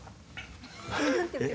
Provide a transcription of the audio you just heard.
えっ？